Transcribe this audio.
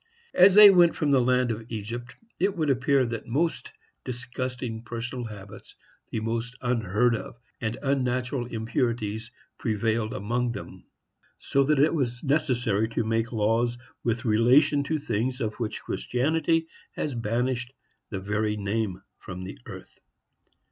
As they went from the land of Egypt, it would appear that the most disgusting personal habits, the most unheard of and unnatural impurities, prevailed among them; so that it was necessary to make laws with relation to things of which Christianity has banished the very name from the earth.